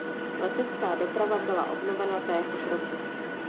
Letecká doprava byla obnovena téhož roku.